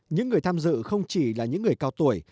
những người tham dự không chỉ là những người cao tuổi